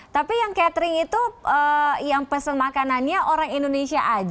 tapi yang catering itu yang pesen makanannya orang indonesia aja